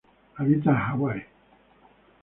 Habita en Hawái.